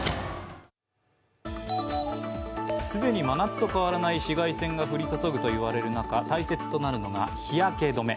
既に真夏と変わらない紫外線が降り注ぐといわれる中大切となるのが日焼け止め。